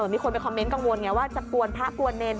มีคนไปคอมเมนต์กังวลไงว่าจะกวนพระกวนเนร